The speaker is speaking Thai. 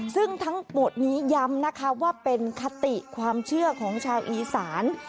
ซึ่งทั้งหมดนี้ย้ำนะคะว่าเป็นคติความเชื่อของชาวอีสาน